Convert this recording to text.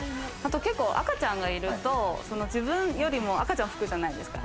赤ちゃんがいると自分よりも赤ちゃんを拭くじゃないですか。